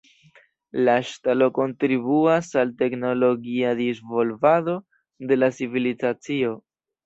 La ŝtalo kontribuas al teknologia disvolvado de la civilizacio.